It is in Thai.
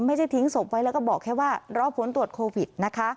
ไม่ใช่ทิ้งศพไว้แล้วก็บอกแค่ว่ารอผลตรวจโควิด